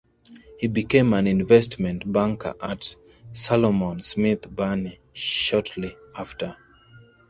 He became an investment banker at Salomon Smith Barney shortly after.